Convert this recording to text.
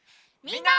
みんな！